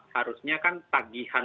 harusnya kan tagihan